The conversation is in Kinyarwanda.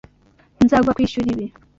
Nzaguha kwishyura ibi.